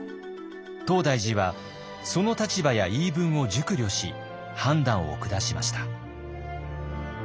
東大寺はその立場や言い分を熟慮し判断を下しました。